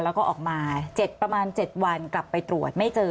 แล้วก็ออกมา๗ประมาณ๗วันกลับไปตรวจไม่เจอ